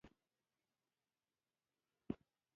کلیمه خپلواکه مانا لري.